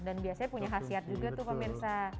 dan biasanya punya khasiat juga tuh pemirsa